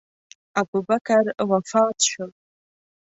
ابوبکر وفات شو.